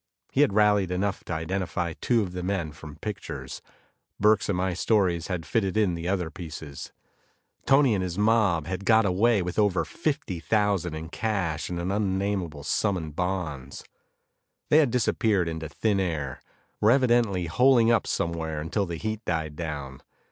He had rallied enough to identify two of the men from pictures. Burke's and my stories had fitted in the other pieces. Tony and his mob had got away with over fifty thousand in cash and an unnameable sum in bonds. They had disappeared into thin air, were evidently holing up somewhere until the heat died down.